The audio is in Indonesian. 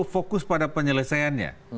fokus pada penyelesaiannya